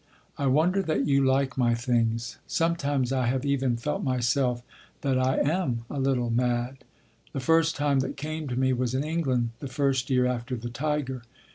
I wonder that you like my things. Sometimes I have even felt myself that I am a little mad. The first time that came to me was in England the first year after the tiger.